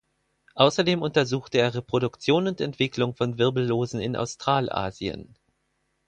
Außerdem untersuchte er Reproduktion und Entwicklung von Wirbellosen in Australasien.